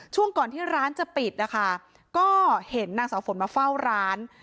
ช่วงก่อนที่ร้านจะปิดนะคะก็เห็นนางสาวฝนมาเฝ้าร้าน